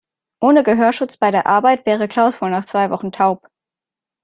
Ohne Gehörschutz bei der Arbeit wäre Klaus wohl nach zwei Wochen taub.